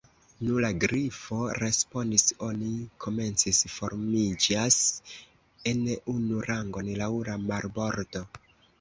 "Nu," la Grifo respondis, "oni komence formiĝas en unu rangon laŭ la marbordo."